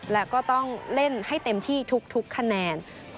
และก็ต้องเล่นให้เต็มที่ทุกคะแนน